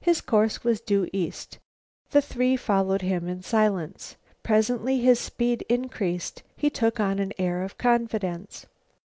His course was due east. The three followed him in silence. Presently his speed increased. He took on an air of confidence.